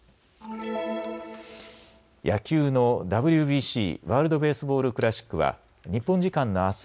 野球のＷＢＣ・ワールド・ベースボール・クラシックは日本時間のあす